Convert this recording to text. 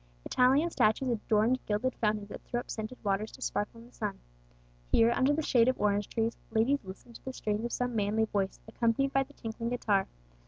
Italian statues adorned gilded fountains that threw up scented waters to sparkle in the sun. Here, under the shade of orange trees, ladies listened to the strains of some manly voice, accompanied by the tinkling guitar.